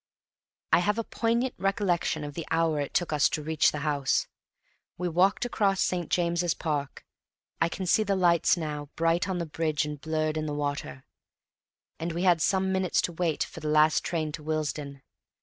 I have a poignant recollection of the hour it took us to reach the house. We walked across St. James's Park (I can see the lights now, bright on the bridge and blurred in the water), and we had some minutes to wait for the last train to Willesden.